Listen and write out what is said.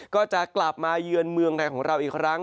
ก็จะกลับมาเยือนเมืองไทยของเราอีกครั้ง